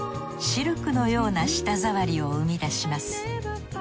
シルクのような舌触りを生み出します。